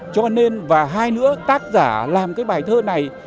cho nên và hai nữa tác giả làm cái bài thơ này